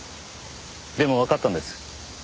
でもわかったんです。